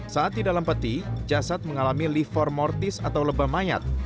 saat di dalam peti jasad mengalami livertis atau lebah mayat